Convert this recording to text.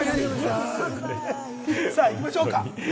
さあ、行きましょうか。